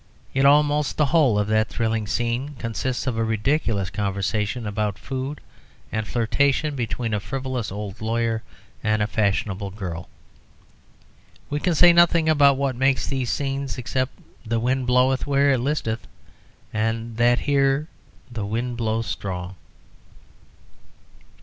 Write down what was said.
Yet almost the whole of that thrilling scene consists of a ridiculous conversation about food, and flirtation between a frivolous old lawyer and a fashionable girl. We can say nothing about what makes these scenes, except that the wind bloweth where it listeth, and that here the wind blows strong.